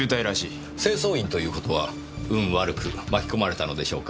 清掃員という事は運悪く巻き込まれたのでしょうか？